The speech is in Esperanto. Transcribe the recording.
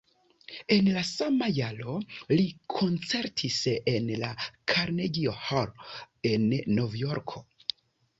En la sama jaro li koncertis en la Carnegie Hall en Novjorko.